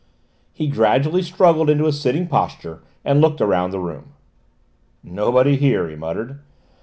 He gradually struggled into a sitting posture and looked around the room. "Nobody here!" he muttered.